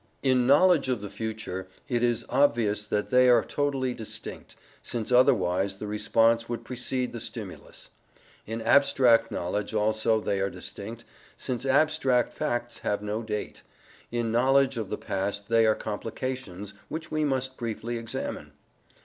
In knowledge of the future, it is obvious that they are totally distinct, since otherwise the response would precede the stimulus. In abstract knowledge also they are distinct, since abstract facts have no date. In knowledge of the past there are complications, which we must briefly examine.